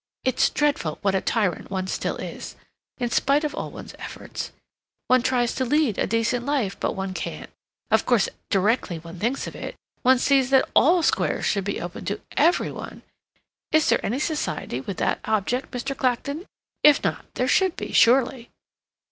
"It's dreadful what a tyrant one still is, in spite of all one's efforts. One tries to lead a decent life, but one can't. Of course, directly one thinks of it, one sees that all squares should be open to every one. Is there any society with that object, Mr. Clacton? If not, there should be, surely."